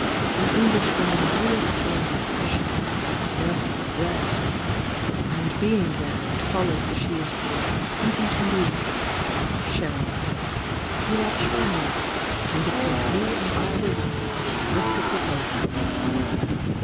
An Englishwoman of real talent is pre cious — therefore rare. And being rare, it follows that she is dear — even to me! Chh'e Anglaise, you are charming! — and if both you and I wero youngw I should risk a proposal!"